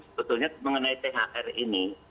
sebetulnya mengenai thr ini